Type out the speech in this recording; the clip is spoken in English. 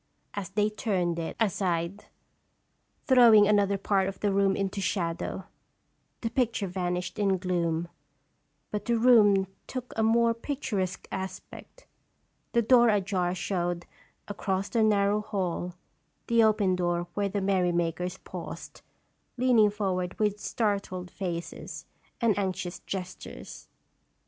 As they turned it 88 aside, throwing another part of the room into shadow, the picture vanished in gloom, but the room took a more picturesque aspect. The door ajar showed, across the narrow hall, the open door where the merry makers paused, leaning forward with startled faces and anx ious gestures.